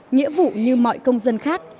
nghĩa vụ như mọi công dân khác